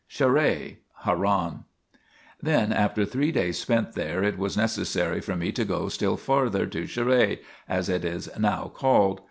GHARRI (HARAN) Then, after three days spent there, it was necessary for me to go still farther, to Charrae, as it is now called.